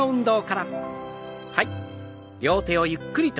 はい。